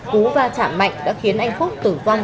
cú va chạm mạnh đã khiến anh phúc tử vong